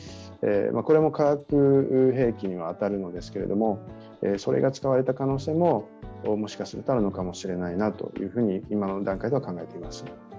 これも化学兵器に当たるんですけどそれが使われた可能性も、もしかするとあるのかもしれないと今の段階では考えています。